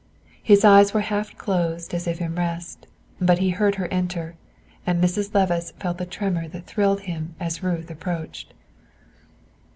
His eyes were half closed as if in rest; but he heard her enter, and Mrs. Levice felt the tremor that thrilled him as Ruth approached.